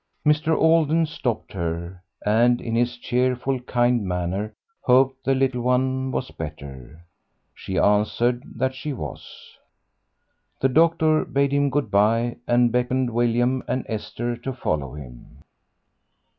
Mr. Alden stopped her, and in his cheerful, kind manner hoped the little one was better. She answered that she was. The doctor bade him good bye and beckoned William and Esther to follow him.